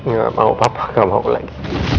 gak mau papa gak mau lagi